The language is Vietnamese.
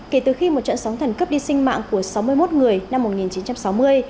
kể từ khi một trận sóng thần cấp đi sinh mạng của sáu mươi một người năm một nghìn chín trăm sáu mươi